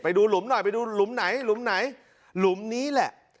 ดูหลุมหน่อยไปดูหลุมไหนหลุมไหนหลุมนี้แหละ